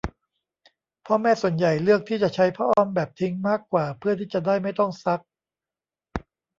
พ่อแม่ส่วนใหญ่เลือกที่จะใช้ผ้าอ้อมแบบทิ้งมากกว่าเพื่อที่จะได้ไม่ต้องซัก